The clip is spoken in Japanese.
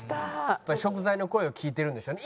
やっぱり食材の声を聞いてるんでしょうね。